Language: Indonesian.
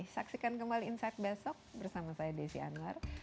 saksikan kembali insight besok bersama saya desi anwar